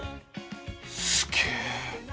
すげえ！